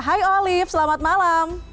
hai olive selamat malam